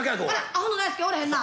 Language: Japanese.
アホの大助おらへんな。